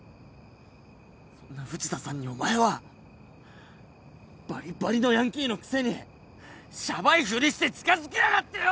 そんな藤田さんにお前はバリバリのヤンキーのくせにシャバいふりして近づきやがってよ！